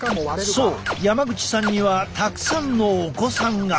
そう山口さんにはたくさんのお子さんが！